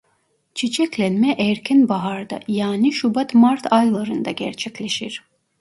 Çiçeklenme erken baharda yani Şubat-Mart aylarında gerçekleşir.